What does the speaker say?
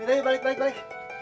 yaudah yuk balik balik balik